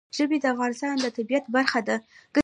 ژبې د افغانستان د طبیعت برخه ده.